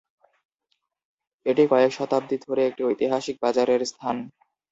এটি কয়েক শতাব্দী ধরে একটি ঐতিহাসিক বাজারের স্থান।